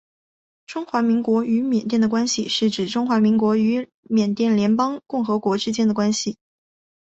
中华民国与缅甸关系是指中华民国与缅甸联邦共和国之间的关系。